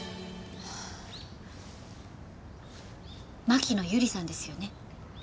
牧野由梨さんですよね？